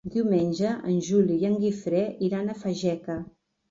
Diumenge en Juli i en Guifré iran a Fageca.